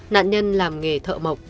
nạn nhân làm nghề thợ mộc